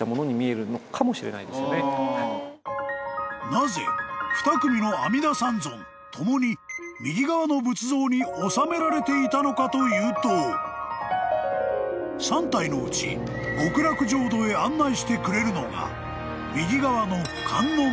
［なぜ２組の阿弥陀三尊共に右側の仏像に納められていたのかというと３体のうち極楽浄土へ案内してくれるのが右側の］